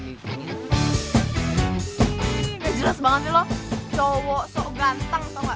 nih gak jelas banget sih lo cowok sok ganteng soal gak